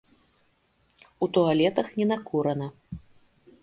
У туалетах не накурана!